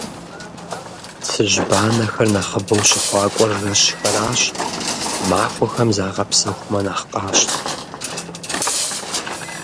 Цыжьбанэхэр нэхъыбэу щыхъуакӏуэр жэщхэращ, махуэхэм загъэпсэхумэ нэхъ къащтэ.